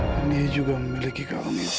dan dia juga memiliki kalung itu